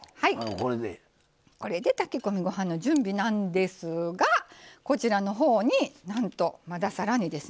これで炊き込みご飯の準備なんですがこちらの方になんとまだ更にですね